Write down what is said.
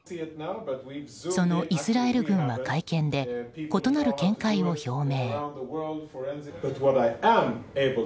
そのイスラエル軍は会見で異なる見解を表明。